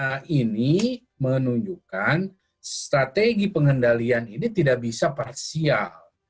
nah ini menunjukkan strategi pengendalian ini tidak bisa parsial